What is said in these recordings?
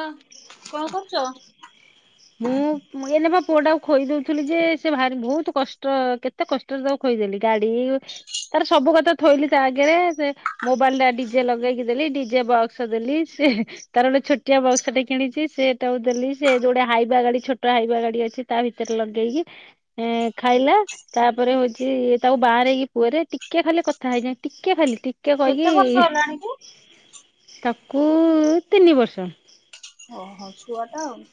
ହ କଣ କରୁଛ? ମୁଁ ଏ ନେ ବା ପୁଅ ଟାକୁ ଖୋଇଦଉଥିଲି ଯେ ସେ ଭାରି ବହୁତ କଷ୍ଟ କେତେ? କେତେ କଷ୍ଟରେ ତାକୁ ଖୋଇଦେଲି ଗାଡି ତାର ସବୁ କଥା ଥୋଇଲି ତା ଆଗରେ ସେ ମୋବାଇଲ ଟା ଡିଜେ ଲଗେଇକି ଦେଲି ଡିଜେ ବକ୍ସ ଦେଲି ସେ ତାର ଗୋଟେ ଛୋଟିଆ ବକ୍ସଟେ କିଣିଛି ସେ ତାକୁ ଦେଲି ସେ ଯୋଉଟେ ହାଇୱା ଗାଡି ଛୋଟ ହାଇୱା ଗାଡି ଅଛି। ତା ଭିତରେ ଲଗେଇକି ଇଁ ଖାଇଲା। ତାପରେ ହଉଛି ତାକୁ ବାରେଇକି ପୁଅରେ ଟିକେ ଖାଲି କଥା ହେଇଯାଇ ଟିକେ ଖାଲି ଟି ଟିକେ କହକି କେତେ ବର୍ଷ ହେଲାଣି କି? ତାକୁ ତିନି ବର୍ଷ। ଓହୋ ଛୁଆ ଟା ଆଉ।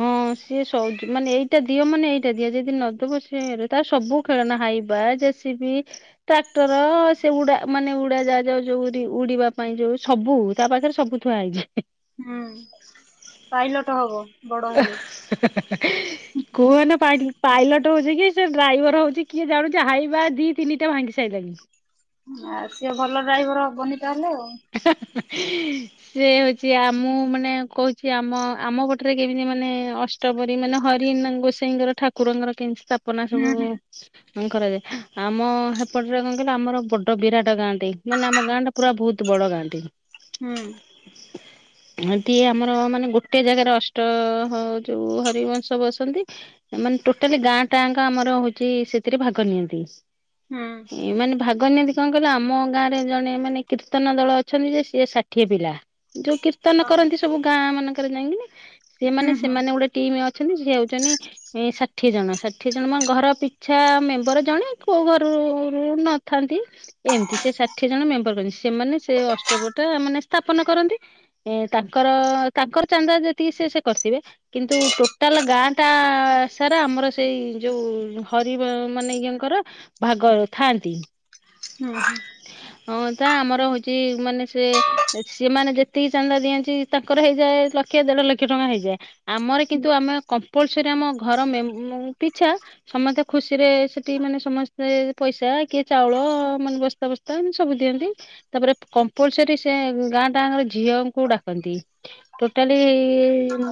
ହଁ ସିଏ ସ ମାନେ ଏଇଟା ଦିଅ ମାନେ ଏଇଟା ଦିଅ ଯଦି ନଦବ ସିଏ ତାର ସବୁ ଖେଳନା ହାଇବା ଜେସିବି। ଟ୍ରାକ୍ଟର ସେ ଉଡା ମାନେ ଉଡାଜାହାଜ ଯାଉ ଯୋଉ ଉଡିବା ପାଇଁ ଯୋଉ ସବୁ ତା ପାଖରେ ସବୁ। ଥୁଆ ହେଇଛି। ହୁଁ ପାଇଲଟ ହବ। ବଡ ହେଲେ। [inaudible] କୁହନା ପାଇଲଟ ହଉଛି କି ସେ ଡ୍ରାଇଭର ହଉଛି କିଏ ଜାଣୁଛି ହାଇବା ଦି ତିନିଟା ଭାଙ୍ଗି ସାଇଲାଣି। ଆ ସିଏ ଭଲ ଡ୍ରାଇଭର ହବନି ତାହେଲେ ଆଉ। [inaudible] ସେ ହଉଛି ଆ ମୁଁ ମାନେ କହୁଛି ଆମ ଆମ ପଟରେ କେମିତି ମାନେ ଅ। ଷ୍ଟପରି ମାନେ ହରି ଗୋସାଇଙ୍କର ଠାକୁରଙ୍କର କେମତି ସ୍ଥାପନା ସବୁ। ହୁଁ ହୁଁ କଣ କରାଯାଏ ଆମ ସେପଟରେ କଣ କହିଲ ଆମର ବଡ ବିରାଟ ଗାଁ ଟେ ମାନେ ଆମ ଗାଁ ଟା ପୁରା ବହୁତ। ବଡ ଗାଁ ଟେ। ହୁଁ। [inaudible] ଦିଏ ଆମର ମାନେ ଗୋଟେ ଜାଗାରେ ଅଷ୍ଟ ଯୋଉ ହରିବଂଶ ବସନ୍ତି। ମାନେ ଟୋଟାଲି ଗାଁ ଟାଁ ଆମର ହଉଛି ସେଥିରେ ଭାଗ ନିଅନ୍ତି। ହୁଁ। ଏ ମାନେ ଭାଗନୀଅନ୍ତି କଣ କହିଲ ଆମ ଗାଁରେ ଜଣେ ମାନେ କିର କୀର୍ତ୍ତନ ଦଳ ଅଛନ୍ତି ଯେ ସିଏ ଷାଠିଏ ପିଲା ଯୋଉ କୀର୍ତ୍ତନ ହଁ। କରନ୍ତି ସବୁ ଗାଁ ମାନଙ୍କରେ ଯାଇକିନି। ସିଏ ହୁଁ ମାନେ ହୁଁ ସେମାନେ ଗୋଟେ ଟିମ୍ ଅଛନ୍ତି ସେଏ ହଉଛନ୍ତି। ଷାଠିଏ ଜଣ ଷାଠିଏ ଜଣ ମାନେ ଘର ପିଛା ମେମ୍ବର ଜଣେ କୋଉ ଘରୁରୁ ନଥାନ୍ତି। ଏମିତି ସେ ଷାଠିଏ ଜଣ ମେମ୍ବର କରନ୍ତି ସେମାନେ ସେ ଅଷ୍ଟପରୀ ଟା ମନେ ସ୍ଥାପନ କରନ୍ତି। ଏ ତାଙ୍କର ତାଙ୍କର ଚାନ୍ଦା ଯେତିକି ସେ ସେ କରିଥିବେ। କିନ୍ତୁ ଟୋଟାଲ ଗାଁ ଟା ସାରା ଆମର ସେଇ ଯୋଉ ହରିବ ମାନେ ଇଏଙ୍କର। ଭାଗ ଥାଆନ୍ତି। ହୁଁ ହୁ। ହଁ ତା ଆମର ହଉଛି ମାନେ ସେ ସେମାନେ ଯେତିକି ଚାନ୍ଦା ଦିଅନ୍ତି ତାଙ୍କର ହେଇଯାଏ ଲଖେ ଦେଢ ଲକ୍ଷ ଟଙ୍କା ହେଇଯାଏ। ଆମର ହୁଁ କିନ୍ତୁ ଆମେ କମ୍ପଲସରି ଆମ ଘର ମେ ମ ପିଛା। ସମତେ ଖୁସି ରେ ସେଠି ମାନେ ସମସ୍ତେ ପଇସା କିଏ ଚାଉଳ ମାନେ ବସ୍ତା ବସ୍ତା ମ ସବୁ ଦିଅନ୍ତି। ତାପରେ କମ୍ପଲସରୀ ସେ ଗାଁ ଟାଙ୍କର ଝିଅଙ୍କୁ ଡାକନ୍ତି। ଟୋଟାଲି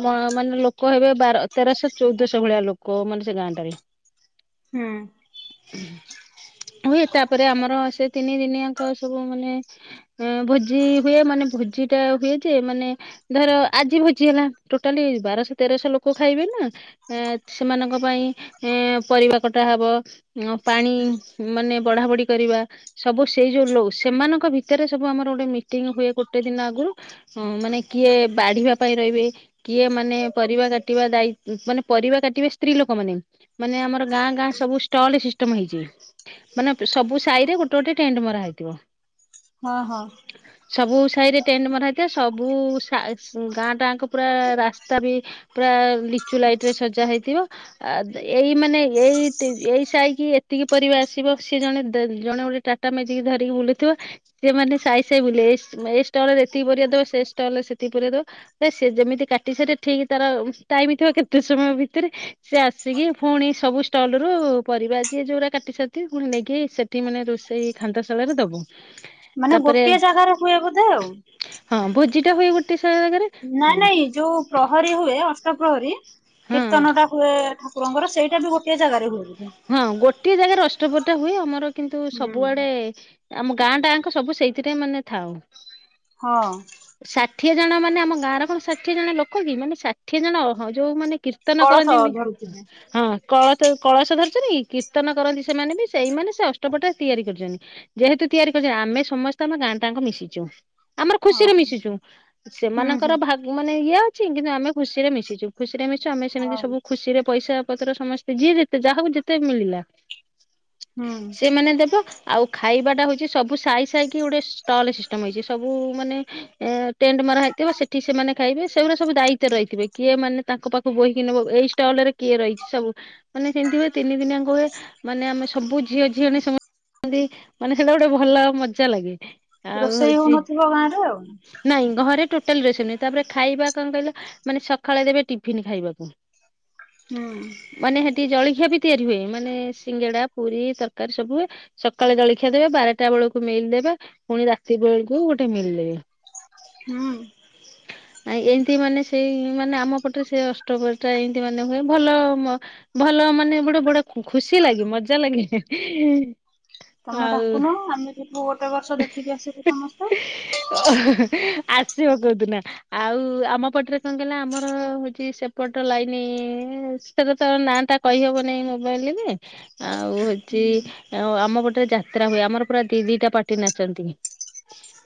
ମାନେ ଲୋକ ହେବେ ବାର ତେରଶହ ଚଉଦଶହ ଭଳିଆ ଲୋ କୋଉ ମାନେ ସେ ଗାଁ ଟାରେ। ହୁଁ। ହୁଏ ତାପରେ ଆମର ସେ ତିନି ଦିନି ଆଙ୍କ ସବୁ ମାନେ ଏଁ ଭୋଜି ହୁଏ ମାନେ ଭୋଜି ଟା ହୁଏ ଯେ ମାନେ ଧର ଆଜି ଭୋଜି ହେଲା ଟୋଟାଲି ବାରଶହ ତେରଶହ ଲୋକ ଖାଇବେ ନା ଏ ସେମାନଙ୍କ ପାଇଁ ଏଁ ପରିବା କଟା ହବ। ଅ ପାଣି ମାନେ ବଢା ବଢି କରିବା ସବୁ ସେଇ ଯୋଉ ଲୋ ସେମାନଙ୍କ ଭିତରେ ସବୁ ଆମର ଗୋଟେ ମିଟିଂ ହୁଏ ଗୋଟେ ଦିନ ଆଗୁରୁ ହଁ ମାନେ କିଏ ବାଢିବା ପାଇଁ ରହିବେ। କିଏ ମାନେ ପରିବା କାଟିବା ଦାଇ ମାନେ ପରିବା କାଟିବା ସ୍ତ୍ରୀ ଲୋକ ମାନେ-ମାନେ ଆମ ଗାଁ-ଗାଁ ସବୁ ଷ୍ଟଲ ସିଷ୍ଟମ୍ ହେଇଚି ମାନେ ସବୁ ସାହିରେ ଗୋଟେ-ଗୋଟେ ଟେଣ୍ଟ ମରା ହେଇଥିବ। ହଁ-ହଁ। ସବୁ ସାହିରେ ଟେଣ୍ଟ ମରା ହେଇଥାଏ ସବୁ ସା ଗାଁ ଟାଁ କ ପୁରା ରାସ୍ତା ବି ପ୍ରାୟ ଲିଚୁ ଲାଇଟ୍ ରେ ସଜା ହେଇଥିବ। ଆ ଏଇ ମାନେ ଏଇ ଏଇ ସାହିକି ଏତିକି ପରିବା ଆସିବ ସିଏ ଜଣେ-ଜଣେ ବୋଲି ଟାଟା ମେଜିକ ଧରିକି ବୁଲୁ ଥିବ ସିଏ ମାନେ ସାହି-ସାହି ବୁଲେ ଏଇ ଷ୍ଟଲ୍ ରେ ଏତିକି ପରିବା ଦବ ସେ ଷ୍ଟଲ୍ ରେ ସେତିକି ପରିବା ଦବ ସେ ଯେମିତି କାଟି ସାରିବେ ଠିକ୍ ତାର ଟାଇମ୍ ଥିବ କେତେ ସମୟ ଭିତରେ ସିଏ ଆସିକି ଫୁଣି ସବୁ ଷ୍ଟଲ୍ ରୁ ପରିବା ଯିଏ ଯୋଉ ଗୁରା କାଟି ସାରିଥିବେ, ପୁଣି ନେଇକି ସେ ଠି ମାନେ ରୋଷେଇ ଖାନ୍ଦାଶାଳରେ ଦବ। ମାନେ ତାପରେ ଗୋଟିଏ ଜାଗାରେ ହୁଏ ବୋଧେ ଆଉ। ହଁ ଭୋଜି ଟା ହୁଏ ଗୋଟେ [unintelligible] ନାଇଁ-ନାଇଁ ଯୋଉ ପ୍ରହରୀ ହୁଏ ଅଷ୍ଟପ୍ରହରୀ ହଁ କୀର୍ତ୍ତନ୍ ଟା ହୁଏ ଠାକୁରଙ୍କର ସେଇଟା ବି ଗୋଟେ ଜାଗାରେ ହୁଏ। ହଁ ଗୋଟିଏ ଜାଗାରେ ଅଷ୍ଟପହରି ଟା ହୁଏ ଆମର କିନ୍ତୁ ହୁଁ ସବୁଆଡେ ଆମ ଗାଁ ଟାଙ୍କ ସବୁ ସେଇଥିରେ ମାନେ ଥାଉ। ହଁ। ଷାଠିଏ ଜଣ ମାନେ ଆମ ଗାଁର କଣ ଷାଠିଏ ଜଣ ଲୋକ କି ମାନେ ଷାଠିଏ ଜଣ ଅହ ଯୋଉ ମାନେ କୀର୍ତ୍ତନ କଳସ କରନ୍ତିନି ଧରୁଥିବେ। ହଁ କଳସ ଯୋଉ କଳସ ଧରି [unintelligible] କୀର୍ତ୍ତନ କରନ୍ତି ସେମାନେ ବି ସେଇମାନେ ସେ ଅଷ୍ଟପ୍ରହରୀ ଟା ତିଆରି କରଚନ୍ତି। ଯେହେତୁ ତିଆରି କରିଚନ୍ତି ଆମେ ସମସ୍ତେ ଆମ ଗାଁ ଟାଙ୍କ ମିଶିଚୁ। ଆମର ହଁ ଖୁସିରେ ହଁ ମିଶିଚୁ ହୁଁ ସେମାନଙ୍କର ହୁଁ ଭାଗ ମାନେ ଇଏ ଅଛି କିନ୍ତୁ ଆମେ ଖୁସିରେ ମିଶିଚୁ। ଖୁସି ରେ ମିଶୁଚୁ ଆମେ ସେମିତି ହଁ ସବୁ ଖୁସିରେ ପଇସା ପତ୍ର ସମସ୍ତେ ଯିଏ ଯେତେ ଯାହାକୁ ଯେ ତେ ମିଳିଲା ହୁଁ। [inaudible] ଆଉ ଖାଇବାଟା ହଉଚି ସବୁ ସାହି-ସାହି କି ଗୋଟେ ଷ୍ଟଲ୍ ସିଷ୍ଟମ୍ ହେଇଚି, ସବୁ ମାନେ ଏଁ ଟେଣ୍ଟ ମରା ହେଇଥିବ ସେଠି ସେମାନେ ଖାଇବେ, ସେଗୁରା ସବୁ ଦାୟିତ୍ୱରେ ରହିଥିବେ କିଏ ମାନେ ତାଙ୍କ ପାଖକୁ ବୋହିକି ନବ ଏଇ ଷ୍ଟଲ୍ ରେ କିଏ ରହିଚି ସବୁ ମାନେ ସେମ୍ତି ହୁଏ ତିନି ଦିନି ଯାକ ହୁଏ ମାନେ ଆମେ ସବୁ ଝିଅ ଝିଅଣି [unintelligible] [unintelligible] ମାନେ ସେଇଟା ଗୋଟେ ଭଲ ମଜ୍ଜା ଲାଗେ। ଆଉ ରୋଷେଇ ହଉଛି ହଉନଥିବ ଗାଁ ରେ ଆଉ। ନାଇଁ ଘରେ ଟୋଟାଲି ରୋଷେଇ ନାହିଁ, ତାପରେ ଖାଇବା କଣ କହିଲ ମାନେ ସଖାଳେ ଦେବେ ଟିଫିନି ଖାଇବାକୁ। ହୁଁ। ମାନେ ସେଠି ଜଳଖିଆ ବି ତିଆରି ହୁଏ, ମାନେ ସିଙ୍ଗେଡା, ପୁରୀ, ତରକାରୀ ସବୁ ହୁଏ। ସକାଳେ ଜଳଖିଆ ଦେବେ, ବାରଟା ବେଳକୁ ମିଲ୍ ଦେବେ ପୁଣି ରାତି ବେଳକୁ ଗୋଟେ ମିଲ୍ ଦେବେ। ହୁଁ। [inaudible] ନାଇଁ ଏନ୍ତି ମାନେ ସେଇ ମାନେ ଆମ ପଟରେ ସେ ଅଷ୍ଟପ୍ରହରୀ ଟା ଏନ୍ତି ମାନେ ହୁଏ ଭଲ ଭଲ ମାନେ ବଡ- ବଡ ଖୁସି ଲାଗେ ମଜ୍ଜା ଲାଗେ। ତମେ ଆଉ ଡାକୁନ ଆମେ ଯିବୁ ଗୋଟେ ବର୍ଷ ଦେଖିକି ଆସିବୁ ସମସ୍ତେ। ଓହୋଃ ଆସିବ କୋଉଦିିନ। ଆଉ ଆମ ପଟରେ କଣ କହିଲ ଆମର ହଉଛି ସେପଟ ଲାଇନ ସେଟା ତ ନାଁ ଟା କହି ହେବନାହିଁ ମୋବାଇଲରେ ଆଉ ହଉଛି ଆଉ ଆମ ପଟେ ଯାତ୍ରା ହୁଏ, ଆମର ପୁରା ଦି ଦିଇଟା ପାର୍ଟି ନାଚନ୍ତି।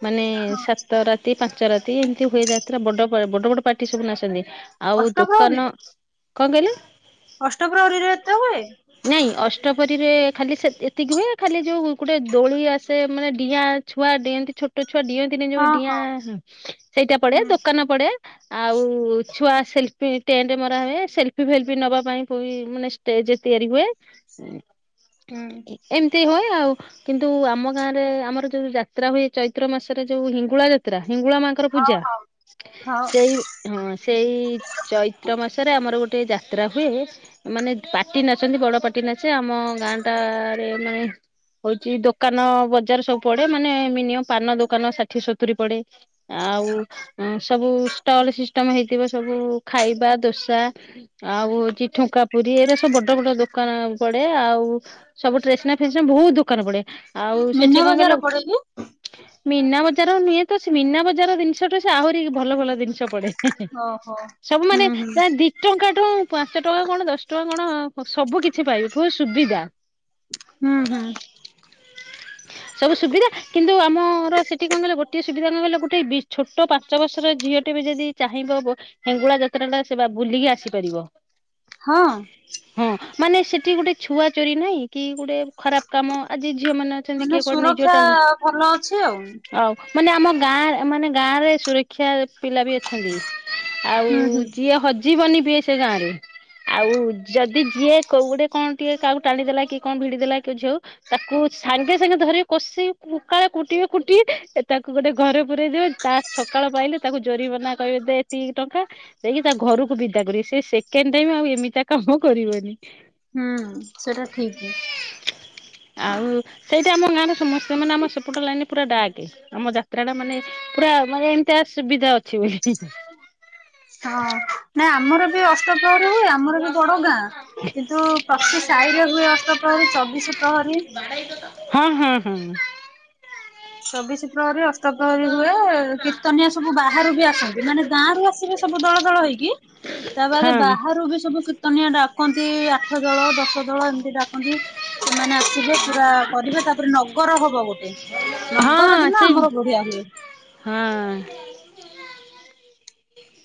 ମାନେ ହଁ ସାତ ରାତି ପାଞ୍ଚ ରାତି ଏମିତି ହୁଏ ଯାତ୍ରା ବଡ ବଡବଡ ପାର୍ଟି ସବୁ ନାଚନ୍ତି। ଆଉ ଦୋକାନ, ଅଷ୍ଟପ୍ରହରୀରେ କଣ କହିଲ? ଅଷ୍ଟପ୍ରହରୀରେ ଏତେ ହୁଏ? ନାଇଁ ଅଷ୍ଟପରୀରେ ଖାଲି ଏତିକି ହୁଏ ଖାଲି ଯୋଉ ଗୋଟେ ଦୋଳି ଆସେ ମାନେ ଡିଆଁ ଛୁଆ ଡିଅନ୍ତି ଛୋଟ ଛୁଆ ଡିଅନ୍ତିନି ଯୋଉ ହଁ ଡିଆଁ ହଁ ସେଇଟା ପଡେ, ହୁଁ। ଦୋକାନ ପଡେ ଆଉ ଛୁଆ ସେଲଫି ଟେଣ୍ଟ ମରା ହୁଏ ସେଲଫି- ଫେଲଫି ନବା ପାଇଁ ମାନେ ସ୍ଟେଜ୍ ତିଆରି ହୁଏ। ହୁଁ। ଏମିତି ହଏ ଆଉ। କିନ୍ତୁ ଆମ ଗାଁ ରେ ଆମର ଯୋଉ ଯାତ୍ରା ହୁଏ ଚୈତ୍ର ମାସରେ ଯୋଉ ହିଙ୍ଗୁଳା ଯାତ୍ରା, ହିଙ୍ଗୁଳା ମା ଙ୍କର ହଉ ପୂଜା, ହଉ ହଉ ସେଇ ହଁ ସେଇ ଚୈତ୍ର ମାସରେ ଆମର ଗୋଟେ ଯାତ୍ରା ହୁଏ ମାନେ ପାାର୍ଟି ନାଚନ୍ତି ବଡ ପାଟି ନାଚେ। ଆମ ଗାଁ ଟାରେ ମାନେ ହଉଛି ଦୋକାନ ବଜାର ସବୁ ପଡେ ମାନେ ମିନିମମ ପାନ ଦୋକାନ ଷାଠିଏ ସତୁରିୀ ପଡେ ଆଉ ଏଁ ସବୁ ଷ୍ଟଲ ସିଷ୍ଟମ ହେଇଥିବ ସବୁ ଖାଇବା ଦୋସା ଆଉ ହଉଛି ଠୁଙ୍କା ପୁରୀ ଏରା ସ ସବୁ ବଡ ବଡ ଦୋକାନ ପଡେ। ଆଉ ସବୁ ଟ୍ରେସନାରି - ଫ୍ରେସନାରି ବହୁତ ଦୋକାନ ପଡେ। ଆଉ ମୀନା ସେଠି କଣ ବଜାର କହିଲ ପଡେ କି ମୀନା ବଜାର ନୁହେଁ ତ ସେ ମୀନା ବଜାର ଜିନିଷ ଠୁ ସେ ଆହୁରି ଭଲ ଭଲ ଜିନିଷ ପଡେ। ଓହୋ। ହୁଁ ସବୁମାନେ ହୁଁ [unintelligible] ଟଙ୍କାଠୁ ପାଞ୍ଚ ଟଙ୍କା କଣ ଦଶ ଟଙ୍କା କଣ ସବୁ କିଛି ପାଇବେ ବହୁ ସୁବିଧା। ହୁଁ ହୁଁ ସବୁ ସୁବିଧା କିନ୍ତୁ ଆମର ସେଠି କଣ କହିଲେ ଗୋଟିଏ ସୁବିଧା କଣ କହିଲ ଗୋଟେ ଛୋଟ ପା ପାଞ୍ଚ ବର୍ଷର ଝିଅଟେ ବି ଯଦି ଚାହିଁବ ହେଙ୍ଗୁଳା ଯାତ୍ରା ଟା ସେ ବା ବୁଲିକି ଆସିପାରିବ। ହଁ? ହଁ ମାନେ ସେଠି ଗୋଟେ ଛୁଆ ଚୋରି ନାହିଁ କି ଗୋଟେ ଖରାପ କାମ ଆଜି ଝିଅ ମାନେ ଅଛନ୍ତି କିଏ କୁଆଡେ ନେଇଯିବ ସୁରକ୍ଷା ଭଲ ଅଛି ଆଉ। ଟା ଆଉ ମାନେ ଆମ ଗାଁ ମାନେ ଗାଁ ରେ ସୁରକ୍ଷା ପିଲା ବି ଅଛନ୍ତି। ଆଉ ହୁଁ ହୁଁ ଯିଏ ହଜିବନି ବିଏ ସେ ଗାଁ ରେ। ଆଉ ଯଦି ଯିଏ କୋଉ ଗୋଟେ କଣ ଟିକେ କାହାକୁ ଟାଣିଦେଲା କି କଣ ଭିଡି ଦେଲା କୋଉ ଝିଅକୁ ତାକୁ ସାଙ୍ଗେ ସାଙ୍ଗେ ଧରି କଷିକି କଂକାଳେ କୁଟିବେ କୁଟିବେ ତାକୁ ଗୋଟେ ଘରେ ପୁରେଇ ଦେବେ ତା ସକାଳ ପାଇଲେ ତାକୁ ଜୋରିିମନା କହିବେ ଦେ ଏତିିକି ଟଙ୍କା ଯାଇକି ତା ଘରକୁ ବିଦା କରିବେ, ସେ ସେକଣ୍ଡ ଟାଇମ ଆଉ ଏମିତିଆ କାମ କରିବନି। ହୁଁ ସେଟା ଠିକି। ଆଉ ସେଇଠି ଆମ ଗାଁରେ ସମସ୍ତେ ମାନେ ଆମ ସେପଟ ଲାଇନିରେ ପୁରା ଡାକେ। ଆମ ଯାତ୍ରା ଟା ମାନେ ପୁରା ମାନେ ଏମିତିଆ ସୁବିଧା ଅଛି ବୋଲି। ହଁ ନାଇଁ ଆମର ବି ଅଷ୍ଟପ୍ରହରୀ ହୁଏ, ଆମର ବି ବଡ ଗାଁ। କିନ୍ତୁ ପ୍ରତି ସାହିରେ ହୁଏ ଅଷ୍ଟପ୍ରହରୀ, ଚବିଶି ପ୍ରହରୀ ହୁଁ ହୁଁ ହୁଁ। ଚବିଶି ପ୍ରହରୀ ଅଷ୍ଟ ପ୍ରହରୀ ହୁଏ କୀର୍ତ୍ତନିଆ ସବୁ ବାହାରୁ ବି ଆସନ୍ତି ମାନେ ଗାଁରୁ ଆସିବେ ସବୁ ଦଳ ଦଳ ହେଇକି ହଁ ତାବାଦେ ହଁ ବାହାରୁ ବି ସବୁ କୀର୍ତନିଆ ଡାକନ୍ତି ଆଠଦଳ ଦଶଦଳ ଏମିତି ଡାକ ନ୍ତି ସେମାନେ ଆସିବେ ପୁରା କରିବେ ତାପରେ ନଗର ହବ ଗୋଟେ। ନଗର ହଁ ଦିନ ସେଇ ଆମର ବଢିଆ ହୁଏ। ହଁ।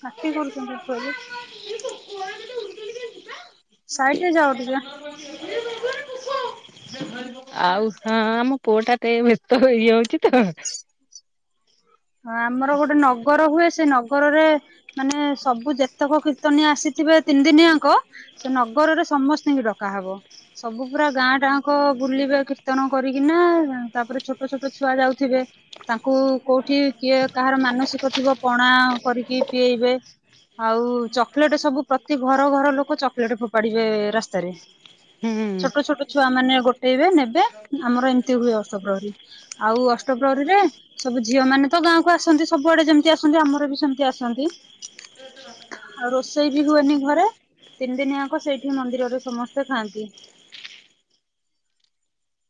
ପାଟି କରୁଚନ୍ତି ଉପରେ। [unintelligible] ସାାଇଟ ହେଇ ଯାଅ ଟିକେ। [unintelligible] ଆଉ ହଁ ଆମ ପୁଅ ଟା ଟିକେ ବ୍ୟସ୍ତ ଇଏ ହଉଚି ତ। ହଁ ଆମର ଗୋଟେ ନଗର ହୁଏ ସେ ନଗରରେ ମାନେ ସବୁ ଯେତକ କୀର୍ତ୍ତନୀଆ ଆସିଥିବେ ତିନି ଦିନିଆଁକ ସେ ନଗରରେ ସମସ୍ତିଙ୍କି ଡକାହବ। ସବୁ ପୁରା ଗାଁ ଟାଙ୍କ ବୁଲିବେ କୀର୍ତ୍ତନ କରିକିନା ତାପରେ ଛୋଟ ଛୋଟ ଛୁଆ ଯାଉଥିବେ। ତାଙ୍କୁ କୋଉଠି କିଏ କାହାର ମାନସିକ ଥିବ ପଣା କରିକି ପିଏଇବେ। ଆଉ ଚକଲେଟ ସବୁ ପ୍ରତି ଘର ଘର ଲୋକ ଚକଲେଟ ଫୋପାଡିବେ ରାସ୍ତାରେ। ହୁଁ ଛୋଟୋ ଛୋଟୋ ଛୁଆ ମାନେ ଗୋଟେଇବେ ନେବେ, ଆମର ଏମିତି ହୁଏ ଅଷ୍ଟପ୍ରହରୀ। ଆଉ ଅଷ୍ଟପ୍ରହରୀରେ ସବୁ ଝିଅମାନେ ତ ଗାଁକୁ ଆସନ୍ତି ସବୁଆଡେ ଯେମିତି ଆସନ୍ତି ଆମର ବି ସେମିତି ଆସନ୍ତି। ଆଉ ରୋଷେଇ ବି ହୁଏନି ଘରେ ତିନି ଦିନି ଆଙ୍କ ସେଇଠି ମନ୍ଦିରରେ ସମସ୍ତେ ଖାଆନ୍ତି।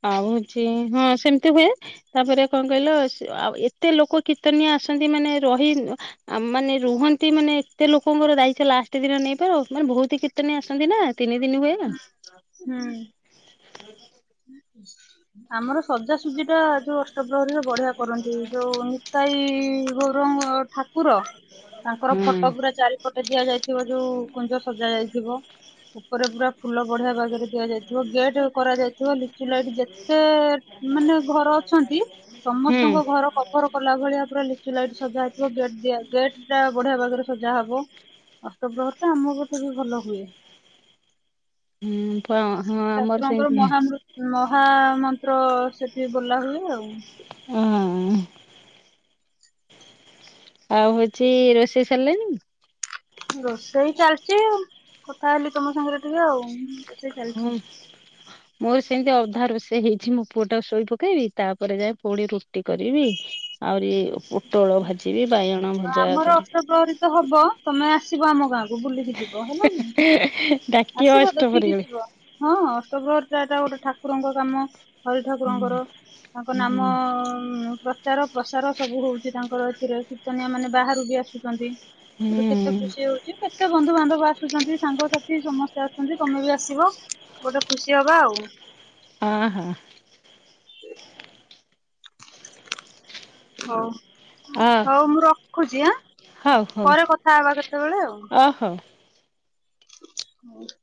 ଆଉ ଏଠି ହଁ ସେମିତି ହୁଏ। ତାପରେ କଣ କହିଲ ସେ-ଆଉ ଏତେ ଲୋକ କୀର୍ତ୍ତନୀୟ ଆସନ୍ତି ମାନେ ରହି ଉଁ ଆ-ମାନେ ରୁହନ୍ତି ମାନେ ଏତେ ଲୋକଙ୍କର ଦାୟିତ୍ଵ ଲାଷ୍ଟେ ଦିନ ନେଇପାର ମାନେ ବହୁତ କୀର୍ତ୍ତନୀଆ ଆସନ୍ତି ନା। ତିନି ଦିନି ହୁଏ ନା। ହୁଁ। ଆମର ସଜାସୁଜି ଟା ଯୋଉ ଅଷ୍ଟପ୍ରହରୀରେ ବଢିଆ କରନ୍ତି। ଯୋଉ ନିତାଇ ଗୌରଙ୍ଗ ଠାକୁର ତାଙ୍କର ହୁଁ ଫଟୋ ପୁରା ଚାରି ପଟେ ଦିଆଯାଇଥିବ ଯୋଉ କୁଞ୍ଜ ସଜା ଯାଇଥିବ। ଉପରେ ପୁରା ଫୁଲ ବଢିଆ ବାଗେରେ ଦିଆଯାଇଥିବ ଗେଟ୍ କରାଯାଇଥିବ ଲିଚୁ ଲାଇଟ୍ ଯେତେ ମାନେ ଘରଅଛନ୍ତି ହୁଁ ସମସ୍ତଙ୍କ ଘର କଭର କଲା ଭଳିଆ ପୁରା ଲିଚୁ ଲାଇଟ୍ ସଜା ହେଇଥିବ ଗେଟ୍ ଦିଆଯ ଗେଟ୍ ଟା ବଢିଆ ବାଗେରେ ସଜାହବ। ଅଷ୍ଟପ୍ରହରୀ ତ ଆମ ପଟେ ବି ଭଲହୁଏ। ହୁଁ ପାଁ ଆମର ସେଇଁତି ହେଇଚି। ମହା ମନ୍ତ୍ର ସେଠି ବୋଲାହୁଏ ଆଉ। ହଁ। ଆଉ ହଉଚି ରୋଷେଇ ସାରିଲେଣି? ରୋଷେଇ ଚାଲିଚି ଆ କଥା ହେଲି ତମ ସାଙ୍ଗେରେ ଟିକେ ଆଉ। ରୋଷେଇ ଚାଲିଛି। ହଁ। ମୋର ସେମିତି ଅଧା ରୋଷେଇ ହେଇଚି ମୋ ପୁଅ ଟାକୁ ଶୋଇ ପକେଇବି ତାପରେ ଯାଇଁ ଫୁଣି ରୁଟି କରିବି। ଆଉରି ପୋଟଳ ଭାଜିବି ବାଇଗଣ ଭଜା ଆମର କରିବି। ଅଷ୍ଟପ୍ରହରୀ ତ ହବ ତମେ ଆସିବ ଆମ ଗାଁକୁ। ବୁଲିକି ଯିବ ହେଲା ଡାକିବ ଆସିବ ଦେଖିକି ଅଷ୍ଟପହରିଗଲେ। ଯିବ‌। ହଁ ଅଷ୍ଟପ୍ରହରୀଟା ଏଟା ଗୋଟେ ଠାକୁରଙ୍କ କାମ। ହରି ଠାକୁରଙ୍କର ତାଙ୍କ ହୁଁ ନାମ ଉଁ ପ୍ରଚାର ପ୍ରସାର ସବୁ ହଉଚି ତାଙ୍କର ଏଥିରେ କୀର୍ତ୍ତନିଆ ମାନେ ବାହାରୁ ବି ଆସୁଚନ୍ତି। [unintelligible] କେତେ ହୁଁ ଖୁସି ହଉ କେତେ ବନ୍ଧୁବାନ୍ଧବ ଆସୁଛନ୍ତି ସାଙ୍ଗସାଥି ସମସ୍ତେ ଆସୁଛନ୍ତି ତମେ ବି ଆସିବ। ଗୋଟେ ଖୁସି ହବା ଆଉ। ହ ହଁ! ହଉ ଅ ହଉ ମୁଁ ରଖୁଚି ଆଁ ପରେ କଥା ହେବା କେତେବେଳେ ଆଉ। ଅହ। [unintelligible]